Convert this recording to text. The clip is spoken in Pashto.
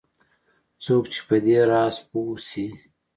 څوک چې په دې راز پوه شي